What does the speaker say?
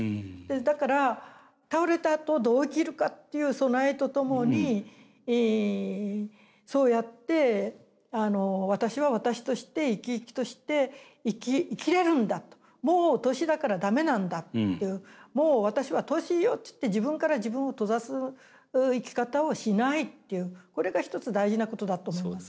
だから倒れたあとどう生きるかっていう備えとともにそうやって私は私として生き生きとして生きれるんだともう年だからダメなんだというもう私は年よって言って自分から自分を閉ざす生き方をしないというこれが一つ大事なことだと思います。